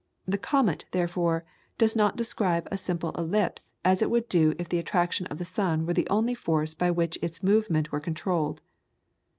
The comet therefore, does not describe a simple ellipse as it would do if the attraction of the sun were the only force by which its movement were controlled.